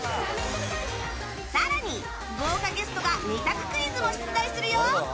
更に、豪華ゲストが２択クイズも出題するよ！